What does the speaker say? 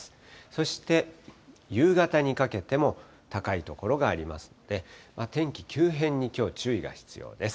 そして夕方にかけても、高い所がありますので、天気、急変にきょう、注意が必要です。